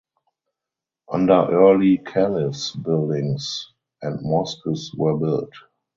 Under Early Caliphs buildings and Mosques were built.